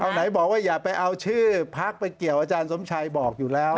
เอาไหนบอกว่าอย่าไปเอาชื่อพักไปเกี่ยวอาจารย์สมชัยบอกอยู่แล้ว